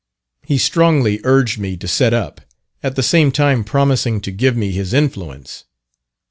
He strongly urged me to set up, at the same time promising to give me his influence.